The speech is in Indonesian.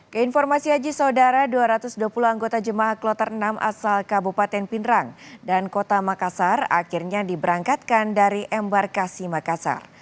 keinformasi haji saudara dua ratus dua puluh anggota jemaah kloter enam asal kabupaten pindrang dan kota makassar akhirnya diberangkatkan dari embarkasi makassar